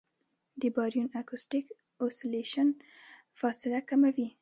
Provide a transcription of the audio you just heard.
د باریون اکوسټک اوسیلیشن فاصله معلوموي.